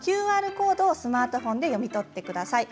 ＱＲコードをスマートフォンで読み取ってください。